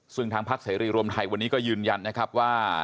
ซึ่งทางพักเสรีรวมไทยวันนี้ก็ยืนยันนะครับว่า